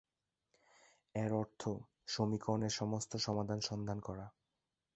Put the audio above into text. এর অর্থ, সমীকরণের সমস্ত সমাধান সন্ধান করা।